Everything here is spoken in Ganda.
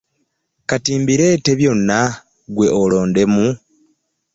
Ka mbireete byonna ggwe olondemu.